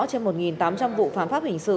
trên một tám trăm linh vụ phạm pháp hình sự